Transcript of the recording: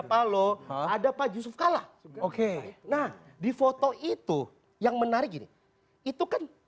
paloh ada pak yusuf kalla oke nah di foto itu yang menarik gini itu kan